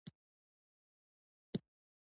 د افغانستان په جغرافیه کې پامیر ډېر ستر اهمیت لري.